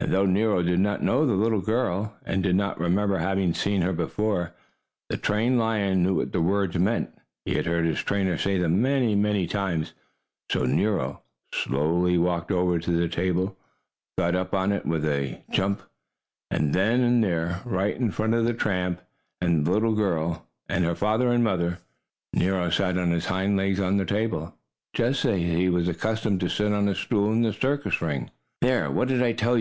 And though Nero did not know the little girl, and did not remember having seen her before, the trained lion knew what the words meant. He had heard his trainer say them many, many times. So Nero slowly walked over to the table, got up on it with a jump, and then and there, right in front of the tramp and the little girl and her father and mother, Nero sat on his hind legs on the table, just as he was accustomed to sit on a stool in the circus ring. "There! What did I tell you?"